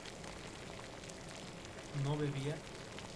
¿no bebía?